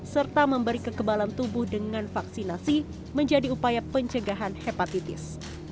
serta memberi kekebalan tubuh dengan vaksinasi menjadi upaya pencegahan hepatitis